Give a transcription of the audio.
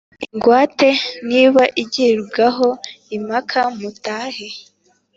ingwate niba igibwaho impaka mutahe